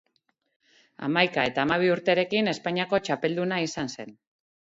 Hamaika eta hamabi urterekin Espainiako txapelduna izan zen.